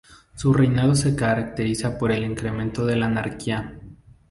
Su reinado se caracteriza por el incremento de la anarquía.